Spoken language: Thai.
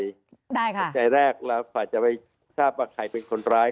ปัจจัยแรกเราอาจจะไปทราบว่าใครเป็นคนร้าย